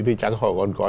thì chẳng hỏi còn có